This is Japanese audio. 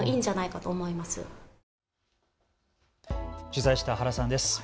取材した原さんです。